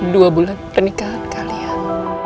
dua bulan pernikahan kalian